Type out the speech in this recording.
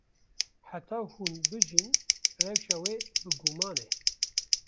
Heta hûn bijîn, rewşa we bi guman e.